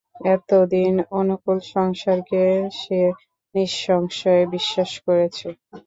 এতদিন অনুকূল সংসারকে সে নিঃসংশয়ে বিশ্বাস করেছে।